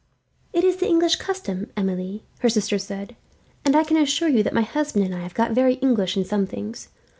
"It is the English custom, Emilie," her sister said; "and I can assure you that my husband and I have got very English, in some things.